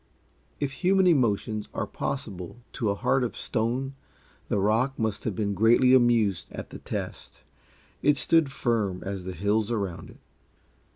If human emotions are possible to a heart of stone, the rock must have been greatly amused at the test. It stood firm as the hills around it.